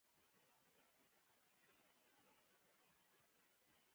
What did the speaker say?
وړتیا خپله د انسان ارزښت څرګندوي.